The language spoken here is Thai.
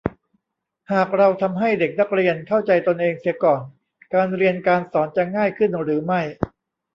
หากเราทำให้เด็กนักเรียนเข้าใจตนเองเสียก่อน การเรียนการสอนจะง่ายขึ้นหรือไม่